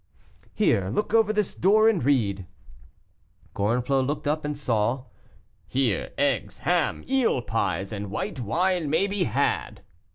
"Here; look over this door and read." Gorenflot looked up, and saw, "Here eggs, ham, eel pies, and white wine may be had!"